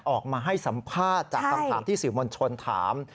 ออกมาให้สัมภาษณ์จากตำรวจที่สิวมลชนถาม